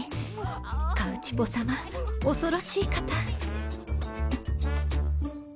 カウチポさま恐ろしい方。